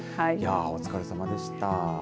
お疲れ様でした。